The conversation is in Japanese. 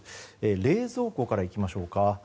冷蔵庫からいきましょうか。